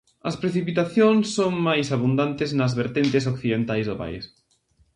As precipitacións son máis abundantes nas vertentes occidentais do país.